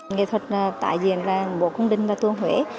nghệ thuật tải diện mùa cung đình và tuôn huế